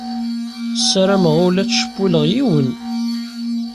Ssarameɣ ur la ttcewwileɣ yiwen.